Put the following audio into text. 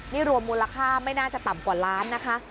นี่รวมมูลค่าไม่น่าจะต่ำกว่าล้านนะคะ